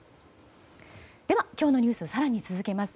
では、今日のニュース更に続けます。